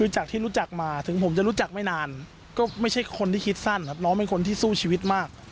จากที่รู้จักมาถึงผมจะรู้จักไม่นานก็ไม่ใช่คนที่คิดสั้นครับน้องเป็นคนที่สู้ชีวิตมาก